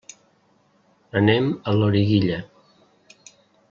Anem a Loriguilla.